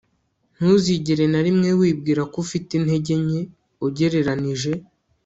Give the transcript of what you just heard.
ntuzigere na rimwe wibwira ko ufite intege nke ugereranije